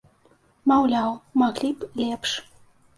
Маўляў, маглі б лепш.